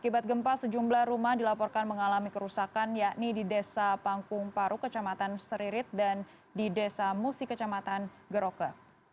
akibat gempa sejumlah rumah dilaporkan mengalami kerusakan yakni di desa pangkung paru kecamatan seririt dan di desa musi kecamatan geroke